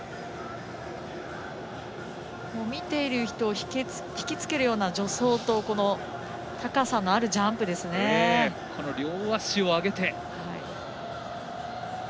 見ている人を引き付けるような助走とこの両足を上げて。